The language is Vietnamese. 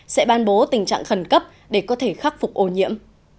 sẽ ban bố tình trạng khẩn cấp để có thể khắc phục ô nhiễm